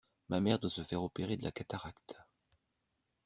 Ma mère doit se faire opérer de la cataracte.